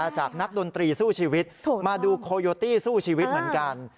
จากนักดนตรีสู้ชีวิตมาดูโคโยตี้สู้ชีวิตเหมือนกัน